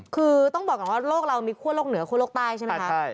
คือต้องบอกก่อนว่าโลกเรามีคั่วโลกเหนือคั่วโลกใต้ใช่ไหมคะ